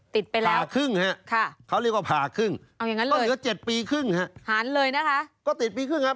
ติดไปแล้วผ่าครึ่งฮะค่ะเขาเรียกว่าผ่าครึ่งก็เหลือ๗ปีครึ่งฮะหันเลยนะคะก็ติดปีครึ่งครับ